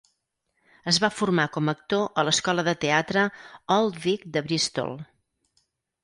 Es va formar com a actor a l'Escola de Teatre Old Vic de Bristol.